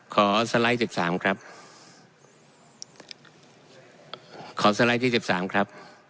ขอสไลด์ที่๑๓ครับ